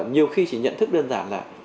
nhiều khi chỉ nhận thức đơn giản là